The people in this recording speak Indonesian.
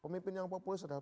pemimpin yang populis adalah